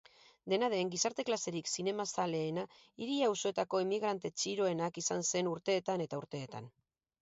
Dena den, gizarte-klaserik zinemazaleena hiri-auzoetako inmigrante txiroena izan zen urteetan eta urteetan.